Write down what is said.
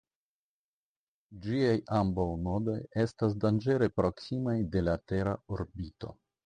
Ĝiaj ambaŭ nodoj estas danĝere proksimaj de la tera orbito.